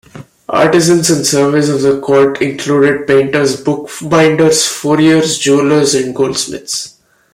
Artisans in service of the court included painters, book binders, furriers, jewellers and goldsmiths.